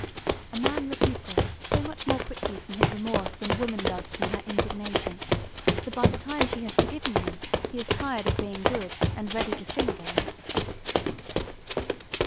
A man recuperates so much more quickly from his remorse than a woman does from her indignation that by the time she has forgiven him he is tired of being good and ready to sin again.